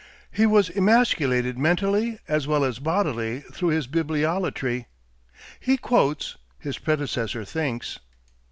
He was emasculated mentally as well as bodily through his bibliolatry. He quotes; his predecessor thinks.